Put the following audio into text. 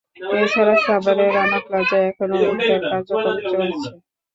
এ ছাড়া সাভারের রানা প্লাজায় এখনো উদ্ধার কার্যক্রম চলছে।